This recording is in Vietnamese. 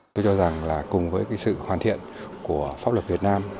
tôi cho rằng là cùng với cái sự hoàn thiện của pháp luật việt nam